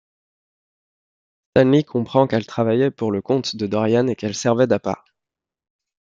Stanley comprend qu'elle travaillait pour le compte de Dorian et qu'elle servait d'appât.